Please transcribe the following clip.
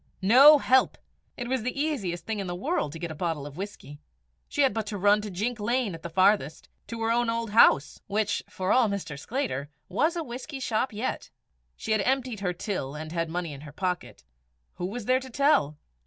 No help! it was the easiest thing in the world to get a bottle of whisky. She had but to run to Jink Lane at the farthest, to her own old house, which, for all Mr. Sclater, was a whisky shop yet! She had emptied her till, and had money in her pocket. Who was there to tell?